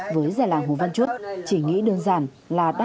với dài làng hồ văn chuốt chỉ nghĩ đơn giản là